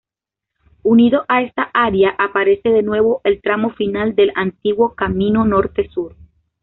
Unido a esta área aparece de nuevo el tramo final del antiguo camino norte-sur.